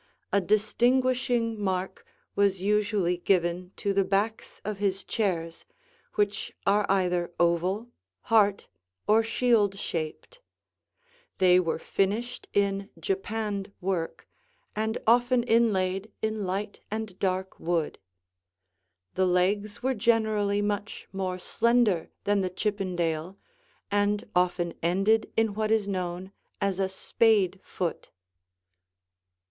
A distinguishing mark was usually given to the backs of his chairs, which are either oval, heart, or shield shaped. They were finished in japanned work and often inlaid in light and dark wood. The legs were generally much more slender than the Chippendale and often ended in what is known as a spade foot.